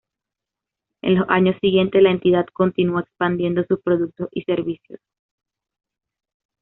En los años siguientes, la entidad continuó expandiendo sus productos y servicios.